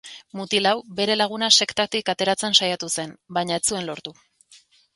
Mutil hau bere laguna sektatik ateratzen saiatu zen, baina ez zuen lortu.